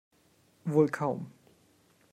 Wohl kaum.